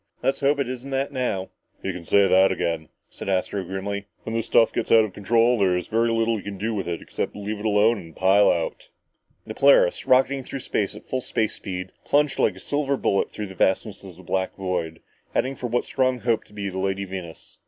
"Let's hope it isn't that now!" "You can say that again," said Astro grimly. "When this stuff gets out of control, there's very little you can do with it, except leave it alone and pile out!" The Polaris, rocketing through space at full space speed, plunged like a silver bullet through the vastness of the black void, heading for what Strong hoped to be the Lady Venus.